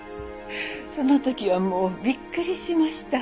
その時はもうびっくりしました。